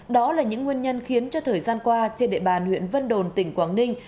đó là những nguyên nhân khiến cho thời gian qua trên địa bàn huyện vân đồn tỉnh quảng ninh